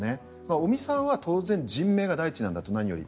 尾身さんは当然人命が第一なんだと、何より。